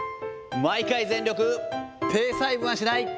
毎回全力、ペース配分はしない。